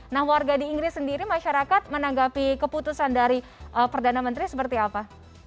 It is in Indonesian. nah warga di inggris sendiri masyarakat menanggapi keputusan dari perdana menteri seperti apa